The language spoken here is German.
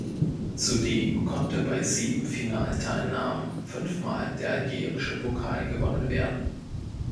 Zudem konnte bei sieben Finalteilnahmen fünf Mal der algerische Pokal gewonnen werden.